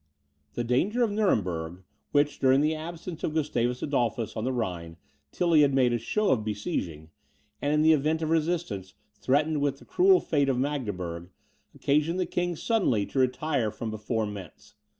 The danger of Nuremberg, which, during the absence of Gustavus Adolphus on the Rhine, Tilly had made a show of besieging, and, in the event of resistance, threatened with the cruel fate of Magdeburg, occasioned the king suddenly to retire from before Mentz.